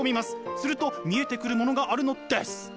すると見えてくるものがあるのです。